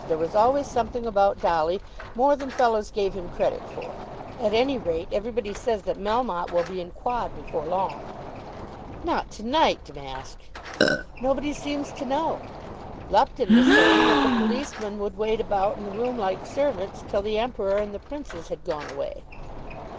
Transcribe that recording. There was always something about Dolly more than fellows gave him credit for. At any rate, everybody says that Melmotte will be in quod before long." "Not to night, Damask!" "Nobody seems to know. Lupton was saying that the policemen would wait about in the room like servants till the Emperor and the Princes had gone away."